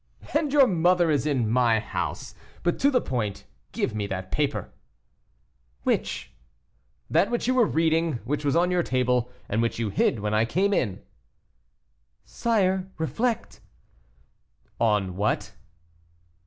"And your mother is in my house. But to the point give me that paper." "Which?" "That which you were reading, which was on your table, and which you hid when I came in." "Sire, reflect." "On what?"